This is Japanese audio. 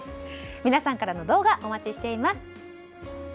皆さんからの動画お待ちしています。